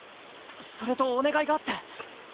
それとお願いがあって。